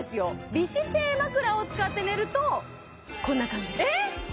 美姿勢まくらを使って寝るとこんな感じですえっ